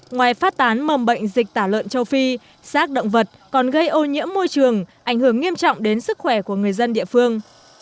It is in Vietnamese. ngoài phát tán mầm bệnh dịch tả lợn châu phi sát động vật còn gây ô nhiễm môi trường ảnh hưởng nghiêm trọng đến sức khỏe của người dân địa phương